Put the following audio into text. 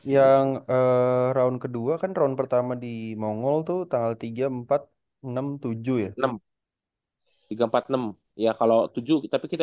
yang round kedua kan round pertama di mongol tuh tahal tiga ribu empat ratus enam puluh tujuh ya enam ribu tiga ratus empat puluh enam ya kalau tujuh kita pikir